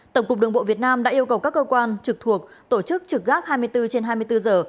tổng cục đường bộ việt nam đã yêu cầu các cơ quan trực thuộc tổ chức trực gác hai mươi bốn trên hai mươi bốn giờ